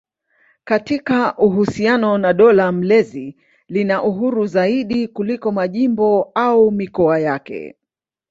Katika uhusiano na dola mlezi lina uhuru zaidi kuliko majimbo au mikoa yake.